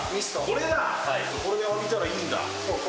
これで浴びたらいいんだ？